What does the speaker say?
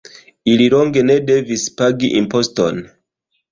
Ili longe ne devis pagi imposton.